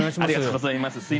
ありがとうございます。